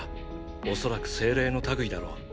おそらく精霊の類いだろう。